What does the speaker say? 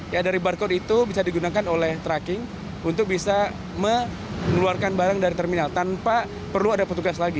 ya dari barcode itu bisa digunakan oleh tracking untuk bisa mengeluarkan barang dari terminal tanpa perlu ada petugas lagi